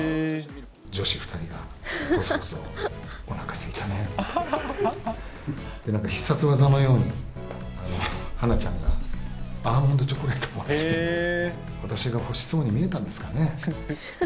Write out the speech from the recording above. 女子２人が、ぼそぼそおなかすいたねって言っていて、なんか必殺技のように花ちゃんが、アーモンドチョコレート持ってきて、私が欲しそうに見えたんですかね。